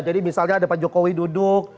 jadi misalnya ada pak jokowi duduk